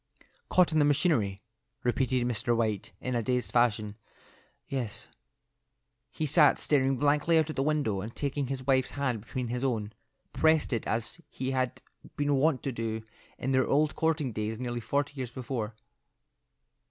"Caught in the machinery," repeated Mr. White, in a dazed fashion, "yes." He sat staring blankly out at the window, and taking his wife's hand between his own, pressed it as he had been wont to do in their old courting days nearly forty years before.